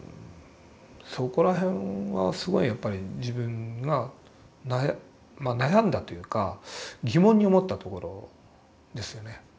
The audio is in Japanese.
そこら辺はすごいやっぱり自分が悩んだというか疑問に思ったところですよね。